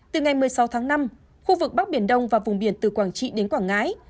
từ ngày một mươi sáu tháng năm khu vực bắc biển đông và vùng biển từ quảng trị đến quảng ngãi